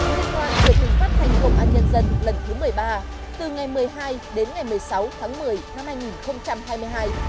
liên hoan truyền hình phát thanh công an nhân dân lần thứ một mươi ba từ ngày một mươi hai đến ngày một mươi sáu tháng một mươi năm hai nghìn hai mươi hai